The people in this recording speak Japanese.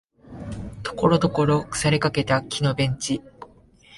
ところどころ腐りかけた木のベンチ